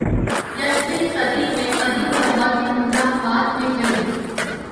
یسویں صدی میں قدیم لاہور کے مضافات میں کئی